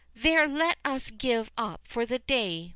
There let us give up for the day.